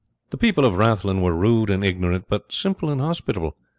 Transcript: The people of Rathlin were rude and ignorant, but simple and hospitable.